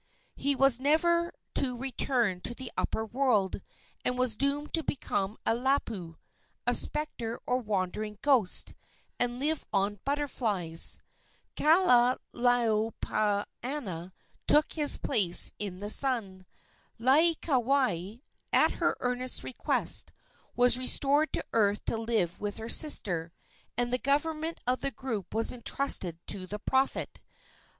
He was never to return to the upper world, and was doomed to become a lapu a spectre or wandering ghost and live on butterflies. Kahalaomapuana took his place in the sun. Laieikawai, at her earnest request, was restored to earth to live with her sister, and the government of the group was entrusted to the prophet.